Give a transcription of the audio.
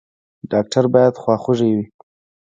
ډاکټر باید خواخوږی وي